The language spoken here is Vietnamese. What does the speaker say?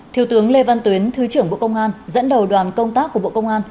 thiếu tướng lê văn tuyến thứ trưởng bộ công an dẫn đầu đoàn công tác của bộ công an